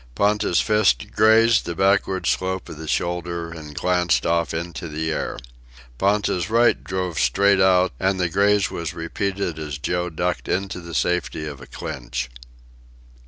Ponta's fist grazed the backward slope of the shoulder, and glanced off into the air. Ponta's right drove straight out, and the graze was repeated as Joe ducked into the safety of a clinch.